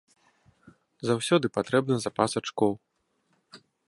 Заўсёды патрэбны запас ачкоў.